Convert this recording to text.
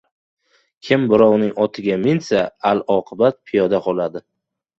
• Kim birovning otiga minsa, alaloqibat piyoda qoladi.